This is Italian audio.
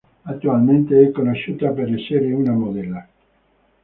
Attualmente è conosciuta per essere una modella.